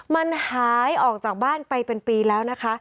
มันหายออกจากบ้านไปเป็นปีแล้วนะคะ